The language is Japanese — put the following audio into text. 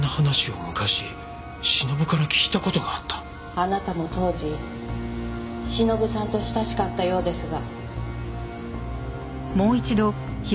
あなたも当時忍さんと親しかったようですが。